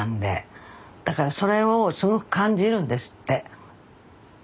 だからそれをすごく感じるんですって。